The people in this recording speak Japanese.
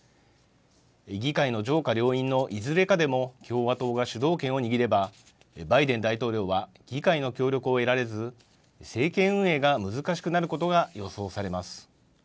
議会の上下両院のいずれかでも共和党が主導権を握れば、バイデン大統領は議会の協力を得られず、政権運営が難しくなることが予想されます。